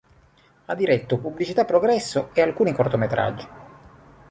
Ha diretto Pubblicità Progresso e alcuni cortometraggi.